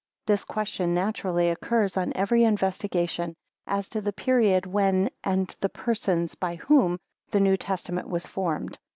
This question naturally occurs on every investigation as to the period when and the persons by whom the New Testament was formed.